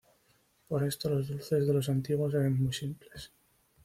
Por esto los dulces de los antiguos eran muy simples.